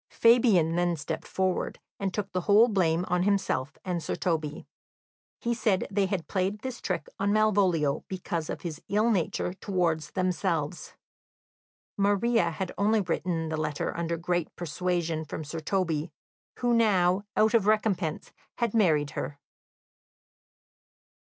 Fabian then stepped forward and took the whole blame on himself and Sir Toby. He said they had played this trick on Malvolio because of his ill nature towards themselves. Maria had only written the letter under great persuasion from Sir Toby, who now, out of recompense, had married her.